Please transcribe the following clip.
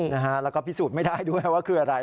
แล้วก็พิสูจน์ไม่ได้ด้วยว่าคืออะไร